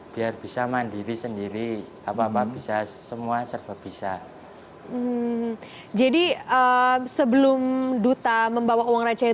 biar bisa mandiri sendiri apa apa bisa semua serba bisa jadi sebelum duta membawa uang raja yang